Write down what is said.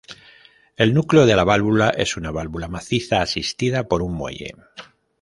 El núcleo de la válvula es una válvula maciza asistida por un muelle.